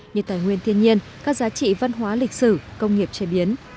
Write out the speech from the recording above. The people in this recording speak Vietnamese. như tài nguyên thiên nhiên các giá trị văn hóa lịch sử công nghiệp chế biến